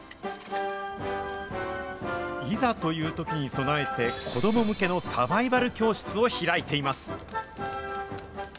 いざというときに備えて、子ども向けのサバイバル教室を開いています。